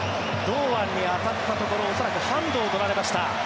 堂安に当たったところ恐らくハンドを取られました。